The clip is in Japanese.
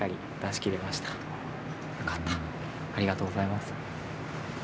ありがとうございます。